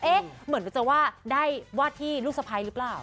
เหมือนจะว่าได้วาดที่ลูกสะพ้ายหรือเปล่า